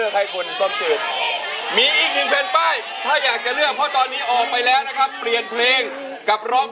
คุณต้มจืดตอบมาเลยครับ